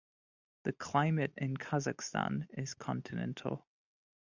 The Climate in Kazakhstan is continental.